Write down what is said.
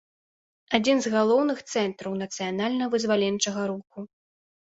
Адзін з галоўных цэнтраў нацыянальна-вызваленчага руху.